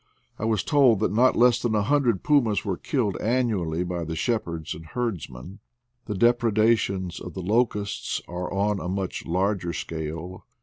I was told that not less than a hundred pumas were killed annu ally by the shepherds and herdsmen. Tfre depre dations of the locusts are on a much larger scale.